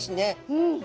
うん。